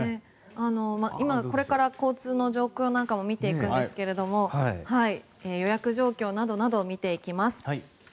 今これから交通の状況なんかも見ていくんですけど予約状況などなど見ていきます。